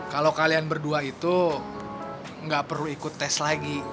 kalau kalian berdua itu nggak perlu ikut tes lagi